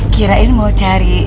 kirain mau cari